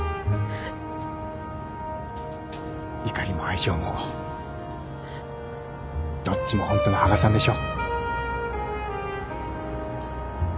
怒りも愛情もどっちもホントの羽賀さんでしょ？